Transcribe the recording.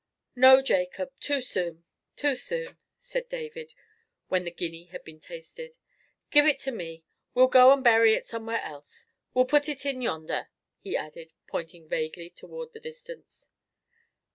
"No, Jacob; too soon, too soon," said David, when the guinea had been tasted. "Give it me; we'll go and bury it somewhere else; we'll put it in yonder," he added, pointing vaguely toward the distance.